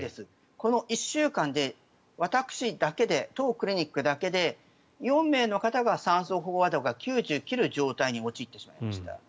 この１週間で私だけで当クリニックだけで、４名の方が酸素飽和度が９０を切る状態に陥ってしまいました。